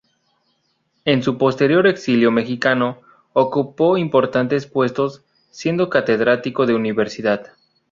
En su posterior exilio mexicano ocupó importantes puestos, siendo Catedrático de universidad.